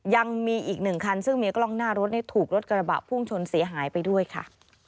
ยังมีอีกหนึ่งคันซึ่งมีกล้องหน้ารถถูกรถกระบะพุ่งชนเสียหายไปด้วยค่ะ